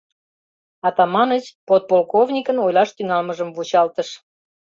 Атаманыч подполковникын ойлаш тӱҥалмыжым вучалтыш.